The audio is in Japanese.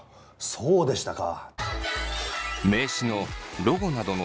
そうでしたか。